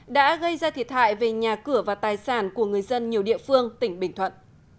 đã gây ra thiệt hại về nhà cửa và tài sản của người dân nhiều địa phương tỉnh bình thuận